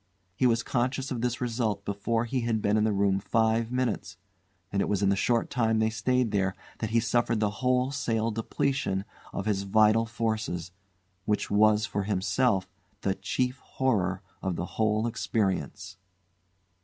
He was conscious of this result before he had been in the room five minutes, and it was in the short time they stayed there that he suffered the wholesale depletion of his vital forces, which was, for himself, the chief horror of the whole experience.